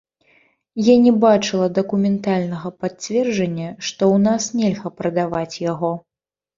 Я не бачыла дакументальнага пацверджання, што ў нас нельга прадаваць яго.